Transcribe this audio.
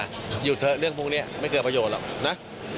หยุดเถอะเรื่องพวกนี้ไม่เกิดประโยชน์หรอกนะ